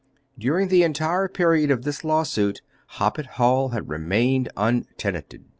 During the entire period of this law suit Hoppet Hall had remained untenanted.